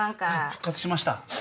復活しました。